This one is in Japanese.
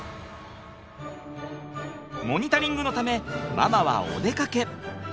モニタリングのためママはお出かけ。